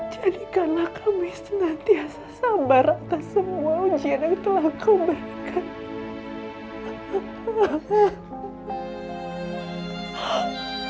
jadikanlah kami senantiasa sabar atas semua ujian yang telah kau berikan